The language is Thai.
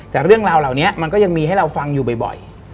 แต่เรื่องราวเหล่านี้มันก็ยังมีให้เราฟังอยู่บ่อย